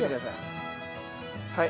はい。